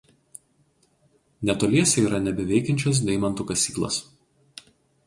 Netoliese yra nebeveikiančios deimantų kasyklos.